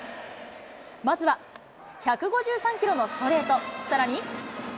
まずは１５３キロのストレート、さらに。